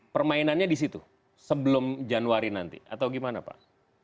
permainannya disitu sebelum januari nanti atau gimana pak